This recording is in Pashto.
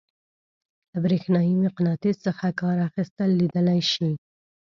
له برېښنايي مقناطیس څخه کار اخیستل لیدلی شئ.